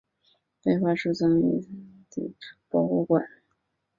该画现收藏于梵蒂冈的梵蒂冈博物馆。